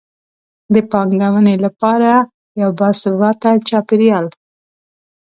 د پانګونې لپاره یو باثباته چاپیریال.